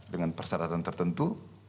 dengan persyaratan tertentu